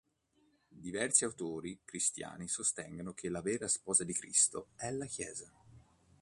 Diversi autori cristiani sostengono che la vera sposa di Cristo è la Chiesa.